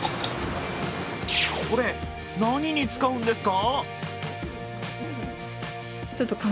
これ、何に使うんですか？